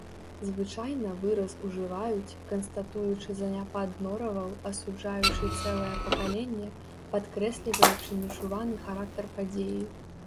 Звычайна выраз ужываюць, канстатуючы заняпад нораваў, асуджаючы цэлае пакаленне, падкрэсліваючы нечуваны характар падзеі.